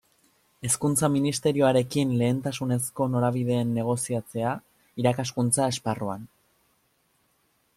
Hezkuntza Ministerioarekin lehentasunezko norabideen negoziatzea, irakaskuntza esparruan.